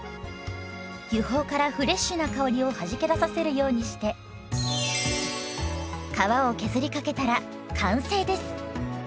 油胞からフレッシュな香りをはじけ出させるようにして皮を削りかけたら完成です。